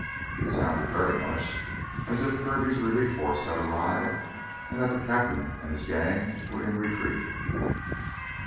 It sounded very much as if Kirby's relief force had arrived and that the "cap'n" and his gang were in retreat.